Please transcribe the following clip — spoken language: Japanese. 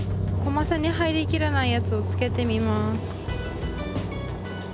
コマセに入りきらないやつを付けてみます。